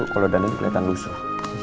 kalo dana tuh keliatan lusuh